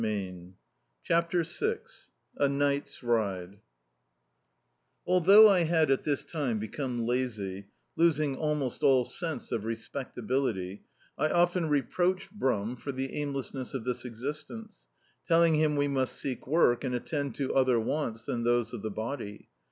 db, Google CHAPTER VI A night's ride ALTHOUGH I had at this time become lazy, losing almost all sense of respectability, I often reproached Brum for the aimlcssness of this existence; telling him we must seek work and attend to other wants than those of the body.